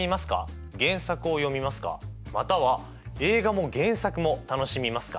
または映画も原作も楽しみますか？